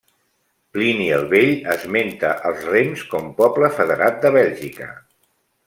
Plini el Vell esmenta els rems com poble federat de Bèlgica.